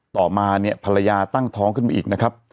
ต่อมาเนี่ยภรรยาตั้งท้องขึ้นมาอีกนะครับ